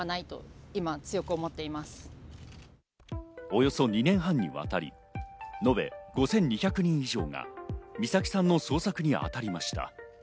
およそ２年半にわたり、延べ５２００人以上が美咲さんの捜索にあたりました。